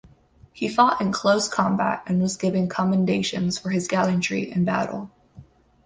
He fought in close combat and was given commendations for his gallantry in battle.